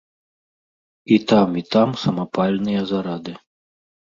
І там і там самапальныя зарады.